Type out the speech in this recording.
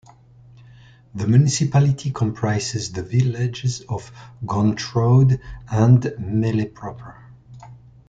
The municipality comprises the villages of Gontrode and Melle proper.